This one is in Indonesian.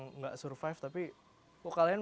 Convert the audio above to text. tidak survive tapi kalau kalian